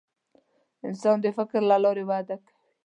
انسان د فکر له لارې وده کوي.